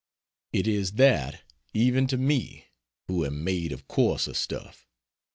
It is that even to me, who am made of coarser stuff.